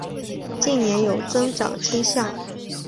近年有增长倾向。